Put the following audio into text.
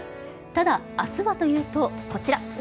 ただ、明日はというとこちら。